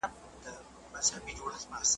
بندولې یې د خلکو د تلو لاري ,